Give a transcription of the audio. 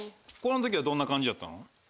この時はどんな感じやったの？